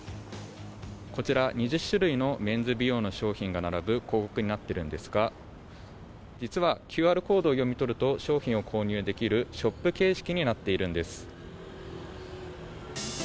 こちら２０種類のメンズ美容の商品が並ぶ広告になっているんですが実はＱＲコードを読み取ると商品を購入できるショップ形式になっているんです。